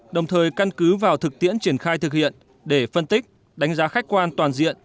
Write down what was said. đồng thời căn cứ vào thực tiễn triển khai thực hiện để phân tích đánh giá khách quan toàn diện